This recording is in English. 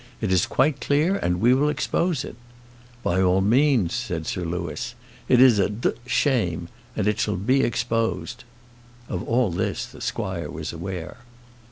It is quite clear, and we will expose it." "By all means," said Sir Louis. "It is a d d shame, and it shall be exposed." Of all this the squire was aware.